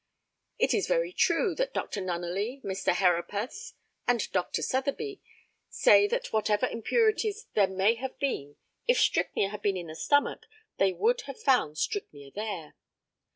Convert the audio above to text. It is very true that Dr. Nunneley, Mr. Herapath, and Dr. Sotheby say that whatever impurities there may have been, if strychnia had been in the stomach they would have found strychnia there.